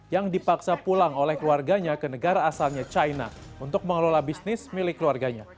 yang dipaksa pulang oleh keluarganya ke negara asalnya china untuk mengelola bisnis milik keluarganya